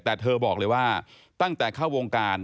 แต่เธอบอกเลยว่าตั้งแต่เข้าวงการ